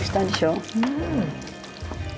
うん。